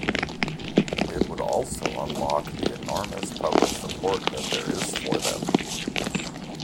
It would also unlock the enormous public support that there is for them.